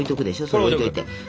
それ置いといて。